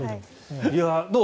どう？